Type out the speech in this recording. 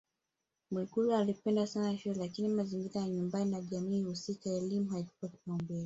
Mwigulu alipenda sana shule lakini mazingira ya nyumbani na jamii husika elimu haikupewa kipaumbele